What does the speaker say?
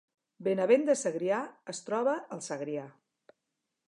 Benavent de Segrià es troba al Segrià